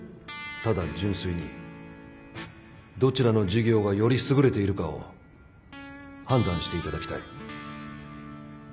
ただ純粋にどちらの事業がより優れているかを判断していただきたい。